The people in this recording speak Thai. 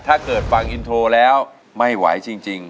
ถ้าเกิดฟังอินโทรแล้วไม่ไหวจริง